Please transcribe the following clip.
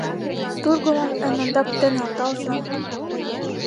Тургымым эн ондак те нӧлталза!